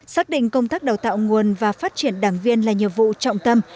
xác định công tác đào tạo nguồn và phát triển đảng viên là nhiệm vụ trọng tâm